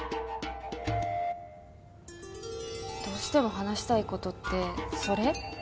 どうしても話したいことってそれ？